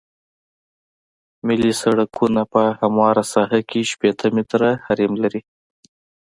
ملي سرکونه په همواره ساحه کې شپیته متره حریم لري